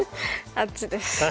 あっちです。